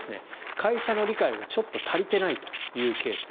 会社の理解がちょっと足りてないというケース。